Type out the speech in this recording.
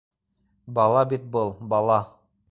Бала бит был, бала!